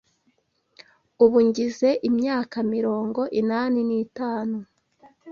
Ubu ngize imyaka mirongo inani n’itanu,